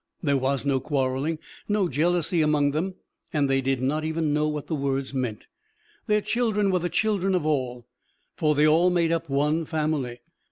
There was no quarrelling, no jealousy among them, and they did not even know what the words meant. Their children were the children of all, for they all made up one family.